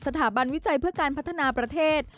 สถาบันวิจัยเพื่อการพัฒนาประเทศ